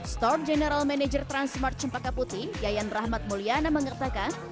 store general manager transmart cempaka putih yayan rahmat mulyana mengatakan